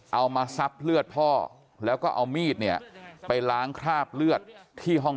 เอามาซับเลือดพ่อแล้วก็เอามีดเนี่ยไปล้างคราบเลือดที่ห้อง